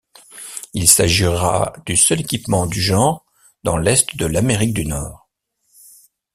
Il s'agira du seul équipement du genre dans l'est de l'Amérique du Nord.